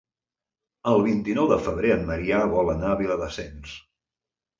El vint-i-nou de febrer en Maria vol anar a Viladasens.